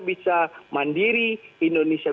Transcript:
bisa mandiri indonesia